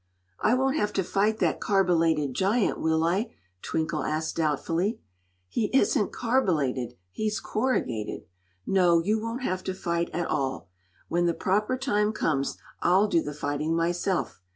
"I won't have to fight that Carbolated Giant, will I?" Twinkle asked doubtfully. "He isn't carbolated; he's corrugated. No, you won't have to fight at all. When the proper time comes I'll do the fighting myself.